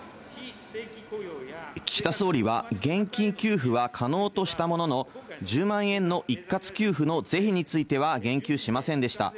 岸田総理は、現金給付は可能としたものの、１０万円の一括給付の是非については言及しませんでした。